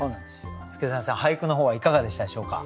祐真さん俳句の方はいかがでしたでしょうか？